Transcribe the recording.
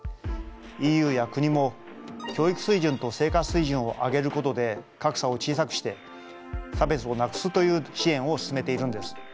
ＥＵや国も教育水準と生活水準を上げることで格差を小さくして差別をなくすという支援を進めているんです。